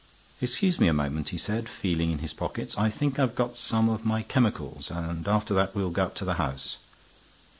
"Excuse me a moment," he said, feeling in his pockets. "I think I've got some of my chemicals; and after that we'll go up to the house."